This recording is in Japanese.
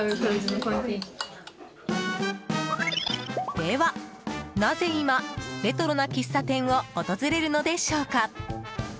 では、なぜ今レトロな喫茶店を訪れるのでしょうか。